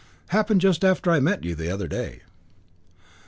Happened just after I met you the other day."